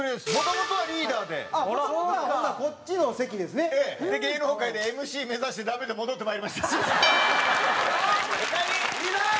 で芸能界でＭＣ目指してダメで戻って参りました。